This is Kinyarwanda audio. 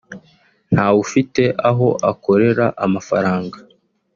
ntawufite aho akorera amafaranga